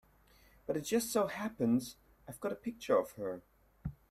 But it just so happens I've got a picture of her.